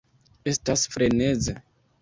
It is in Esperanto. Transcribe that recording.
Estas freneze.